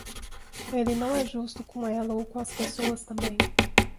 Ele não é justo com ela ou com as pessoas também.